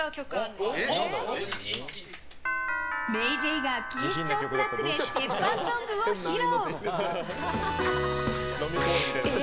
ＭａｙＪ．が錦糸町スナックで鉄板ソングを披露。